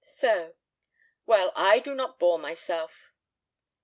"So. Well, I do not bore myself."